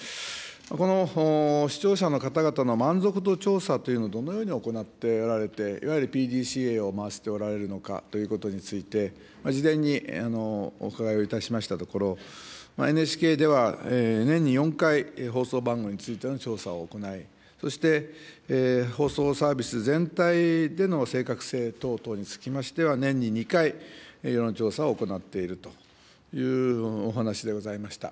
この視聴者の方々の満足度調査というのをどのように行っておられて、いわゆるＰＤＣＡを回しておられるのかということについて、事前にお伺いをいたしましたところ、ＮＨＫでは年に４回、放送番組についての調査を行い、そして、放送・サービス全体での正確性等々につきましては、年に２回、世論調査を行っているというお話でございました。